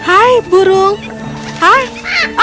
aku harus mencegahnya